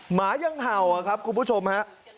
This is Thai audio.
หมายังเผ่าครับคุณผู้ชมครับ